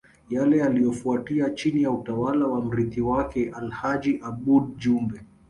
Yale yaliyofuatia chini ya utawala wa mrithi wake Alhaji Aboud Jumbe